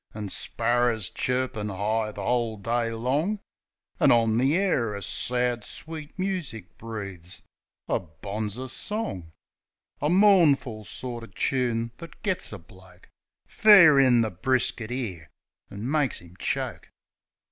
An' sparrers chirpin' 'igh the 'ole day long; An' on the air a sad, sweet music breaves A bonzer song — A mournful sorter choon thet gits a bloke Fair in the brisket 'ere, an' makes 'im choke